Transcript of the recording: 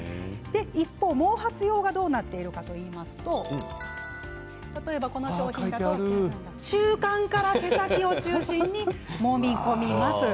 一方、頭髪用がどうなってるかと言いますとこの商品、中間から毛先を中心にもみ込みます。